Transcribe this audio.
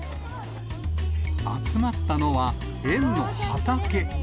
集まったのは、園の畑。